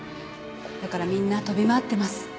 だからみんな飛び回ってます。